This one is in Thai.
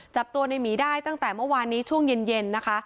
จับตัวในหมีได้ตั้งแต่เมื่อวานนี้ช่วงเย็นนะคะ